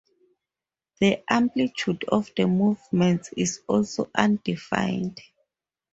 The amplitude of the movements is also undefined.